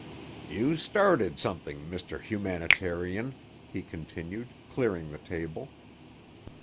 "You started something, Mr. Humanitarian," he continued, clearing the table.